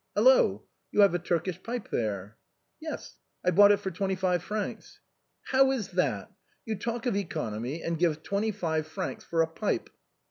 Hello ! you have a Turkish pipe there !"" Yes ; I bought it for twenty five francs." " How is that ! You talk of economy, and give twenty five francs for a pipe